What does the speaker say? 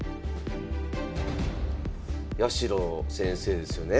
八代先生ですよね。